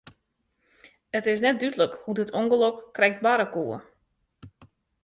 It is net dúdlik hoe't it ûngelok krekt barre koe.